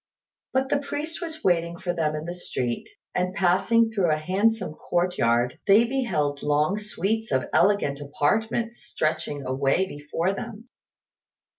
But the priest was waiting for them in the street; and passing through a handsome court yard, they beheld long suites of elegant apartments stretching away before them.